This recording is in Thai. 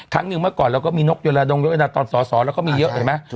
ครั้งหนึ่งเมื่อก่อนเราก็มีนกโยลาดงโยนาตอนสอสอแล้วก็มีเยอะเห็นไหม